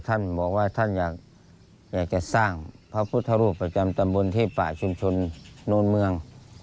ท่านบอกว่าท่านอยากจะสร้างพระพุทธรูปประจำตำบลที่ป่าชุมชนโน้นเมือง